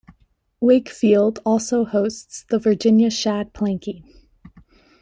Wakefield also hosts the Virginia Shad Planking.